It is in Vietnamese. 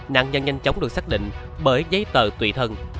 nạn nhân nhanh chóng được xác định bởi giấy tờ tùy thân